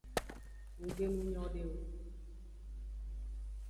Nggbe nu nyode o.